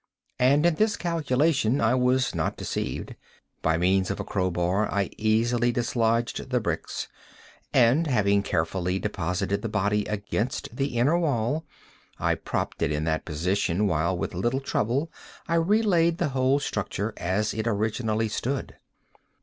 And in this calculation I was not deceived. By means of a crow bar I easily dislodged the bricks, and, having carefully deposited the body against the inner wall, I propped it in that position, while, with little trouble, I re laid the whole structure as it originally stood.